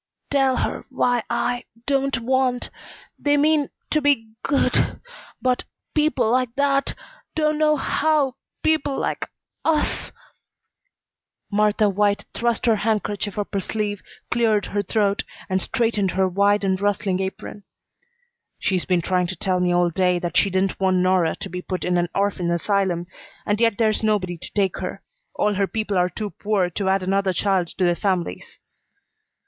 "Tell her why I don't want They mean to be good but people like that don't know how people like us " Martha White thrust her handkerchief up her sleeve, cleared her throat, and straightened her wide and rustling apron. "She's been trying to tell me all day that she didn't want Nora to be put in an orphan asylum, and yet there's nobody to take her. All her people are too poor to add another child to their families."